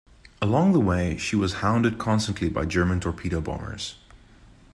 Along the way she was hounded constantly by German torpedo bombers.